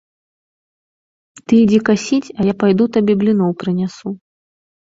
Ты ідзі касіць, а я пайду табе бліноў прынясу.